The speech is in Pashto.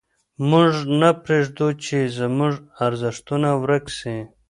موږ نه پرېږدو چې زموږ ارزښتونه ورک سي.